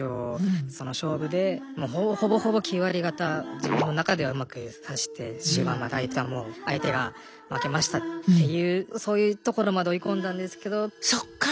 その勝負でもうほぼほぼ９割方自分の中ではうまく指して終盤相手はもう相手が「負けました」っていうそういうところまで追い込んだんですけど。